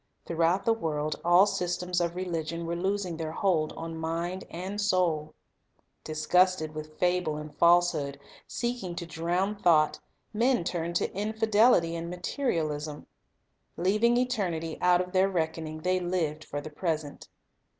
Throughout the world, all systems of religion were losing their hold on mind and soul. Disgusted with fable and falsehood, seeking to drown thought, men turned to infidelity and materi alism. Leaving eternity out of their reckoning, they lived for the present.